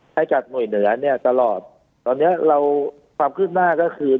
ให้กับหน่วยเหนือเนี่ยตลอดตอนเนี้ยเราความคืบหน้าก็คือ